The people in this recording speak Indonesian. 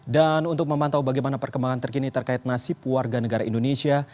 dan untuk memantau bagaimana perkembangan terkini terkait nasib warga negara indonesia